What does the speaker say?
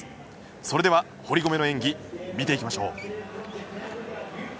それでは堀米の演技見ていきましょう。